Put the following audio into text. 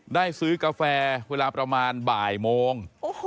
ได้ซื้อกาแฟเวลาประมาณบ่ายโมง